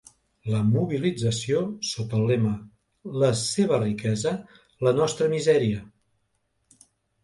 La mobilització, sota el lema La seva riquesa, la nostra misèria.